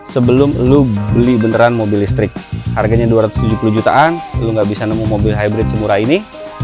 sebelum lu beli beneran mobil listrik harganya dua ratus tujuh puluh jutaan lu gak bisa nemu mobil hybrid semurah ini